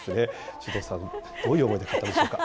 首藤さん、どういう思いで買ったんでしょうか。